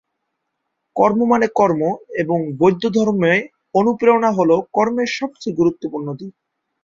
কর্ম মানে কর্ম এবং বৌদ্ধ ধর্মে অনুপ্রেরণা হল কর্মের সবচেয়ে গুরুত্বপূর্ণ দিক।